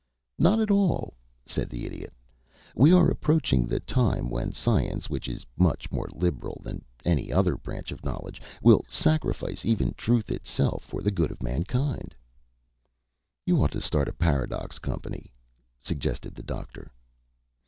"Not at all," said the Idiot. "We are approaching the time when science, which is much more liberal than any other branch of knowledge, will sacrifice even truth itself for the good of mankind." "You ought to start a paradox company," suggested the Doctor.